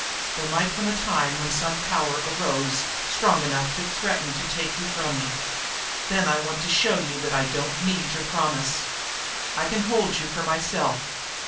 There might come a time when some power arose strong enough to threaten to take you from me. Then I want to show you that I don't need your promise. I can hold you for myself.